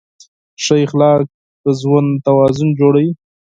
ښه اخلاق د ژوند توازن جوړوي.